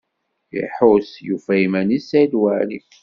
Iḥuss yufa iman-is Saɛid Waɛli.